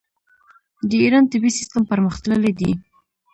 د ایران طبي سیستم پرمختللی دی.